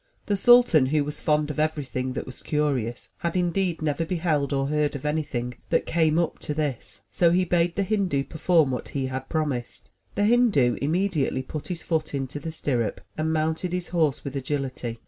The sultan who was fond of everything that was curious, had indeed never beheld or heard of anything that came up to this, so he bade the Hindu perform what he had promised. The Hindu immediately put his foot into the stirrup, and mounted his horse with agility.